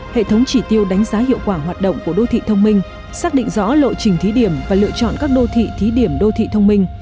hệ thống chỉ tiêu đánh giá hiệu quả hoạt động của đô thị thông minh xác định rõ lộ trình thí điểm và lựa chọn các đô thị thí điểm đô thị thông minh